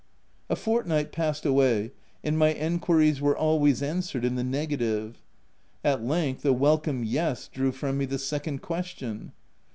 A fortnight passed away, and my enquiries were always answered in the negative. At length a welcome " yes " drew from me the second question.